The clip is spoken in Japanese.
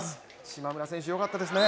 島村選手、よかったですね。